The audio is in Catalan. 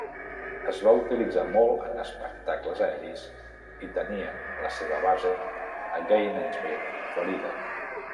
Es va utilitzar molt en espectacles aeris i tenia la seva base a Gainesville, Florida.